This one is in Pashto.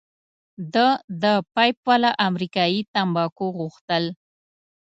ده د پیپ والا امریکايي تمباکو غوښتل.